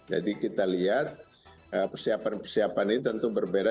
jadi kita lihat persiapan persiapan ini tentu berbeda